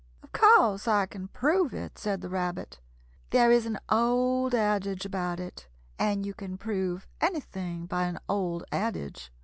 "Of course I can prove it," said the Rabbit. "There is an old adage about it, and you can prove anything by an old adage.